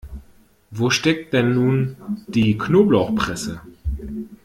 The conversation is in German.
Wo steckt denn nun die Knoblauchpresse?